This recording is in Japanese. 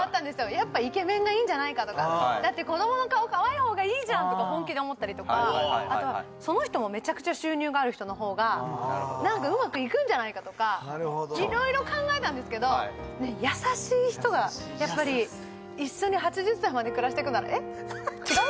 やっぱイケメンがいいんじゃないかとかだって子供の顔かわいいほうがいいじゃんとか本気で思ったりとかあとおおその人もめちゃくちゃ収入がある人のほうがなんかうまくいくんじゃないかとかいろいろ考えたんですけどやっぱり一緒に８０歳まで暮らしていくなら違う？